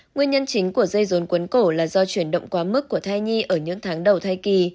nguyên nhân chính của dây rôn quấn cổ là do chuyển động quá mức của thai nhi ở những tháng đầu thai kỳ